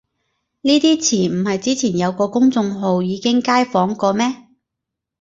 呢啲詞唔係之前有個公眾號已經街訪過咩